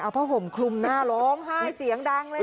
ผ้าห่มคลุมหน้าร้องไห้เสียงดังเลยค่ะ